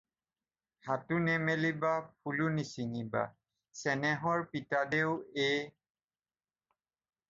হাতো নেমেলিবা, ফুলে নিছিঙিবা, চেনেহৰ পিতাদেউ এ।